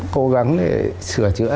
cố gắng để sửa chữa